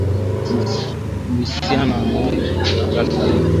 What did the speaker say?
kuhusiana na mauaji hayo ya watu wengi